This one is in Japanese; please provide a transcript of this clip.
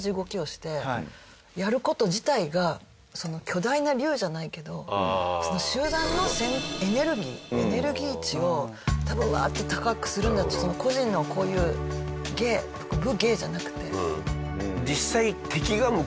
巨大な竜じゃないけどその集団のエネルギーエネルギー値を多分うわっと高くするんだっていう個人のこういう芸武芸じゃなくて。